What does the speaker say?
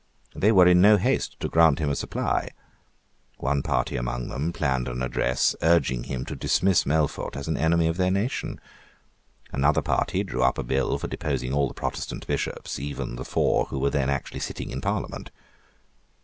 They were in no haste to grant him a supply. One party among them planned an address urging him to dismiss Melfort as an enemy of their nation. Another party drew up a bill for deposing all the Protestant Bishops, even the four who were then actually sitting in Parliament.